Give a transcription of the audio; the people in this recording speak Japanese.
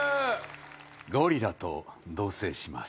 ゴリラと同棲します。